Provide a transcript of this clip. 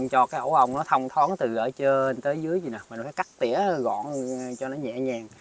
cho cái ổ ong nó thông thoáng từ ở trên tới dưới mình phải cắt tỉa gọn cho nó nhẹ nhàng